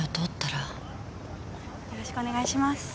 よろしくお願いします。